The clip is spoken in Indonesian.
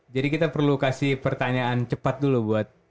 jadi kita perlu kasih pertanyaan cepat dulu buat